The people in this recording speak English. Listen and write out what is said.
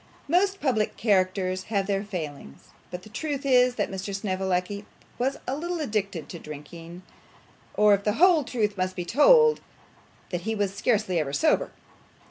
Most public characters have their failings; and the truth is that Mr Snevellicci was a little addicted to drinking; or, if the whole truth must be told, that he was scarcely ever sober.